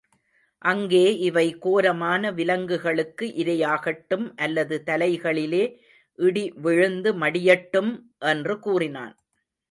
அங்கே இவை கோரமான விலங்குகளுக்கு இரையாகட்டும் அல்லது தலைகளிலே இடி விழுந்து மடியட்டும்! என்று கூறினான்.